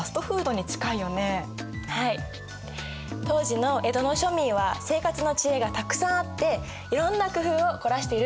当時の江戸の庶民は生活の知恵がたくさんあっていろんな工夫を凝らしているってことが分かったね。